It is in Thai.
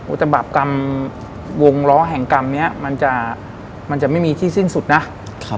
ตบาปกรรมวงล้อแห่งกรรมเนี้ยมันจะมันจะไม่มีที่สิ้นสุดนะครับ